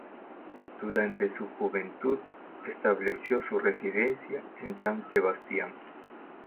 Durante su juventud estableció su residencia en San Sebastián.